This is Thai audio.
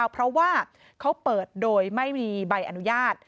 เพราะว่าเขาเปิดโดยไม่มีใบอนุญาต